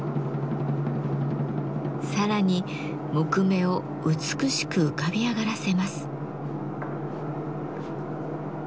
さらに木目を美しく浮かび上がらせます。